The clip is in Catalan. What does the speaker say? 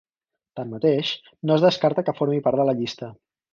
Tanmateix, no es descarta que formi part de la llista.